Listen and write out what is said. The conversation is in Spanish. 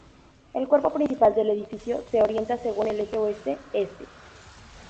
El cuerpo principal del edificio se orienta según el eje oeste-este.